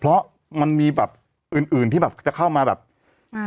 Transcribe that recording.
เพราะมันมีแบบอื่นอื่นที่แบบจะเข้ามาแบบอืม